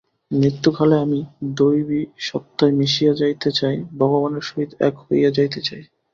মৃত্যুকালে আমি দৈবী সত্তায় মিশিয়া যাইতে চাই, ভগবানের সহিত এক হইয়া যাইতে চাই।